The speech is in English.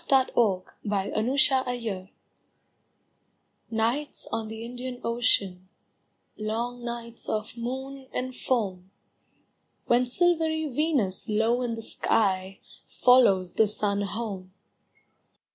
NIGHTS ON THE INDIAN OCEAN Nights on the Indian Ocean, Long nights of moon and foam, When silvery Venus low in the sky Follows the sun home.